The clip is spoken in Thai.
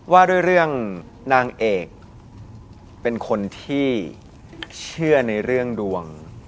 ว่าด้วยเรื่องนางเอกเป็นคนที่เชื่อในเรื่องดวง